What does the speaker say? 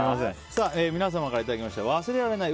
皆さんからいただいた忘れられない